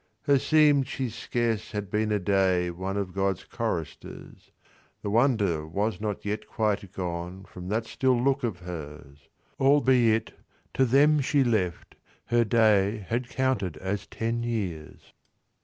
Herseem'd she scarce had been a dayOne of God's choristers; The wonder was not yet quiet goneFrom that still look of hers; Albeit, to them she left, her dayHad counted as ten years.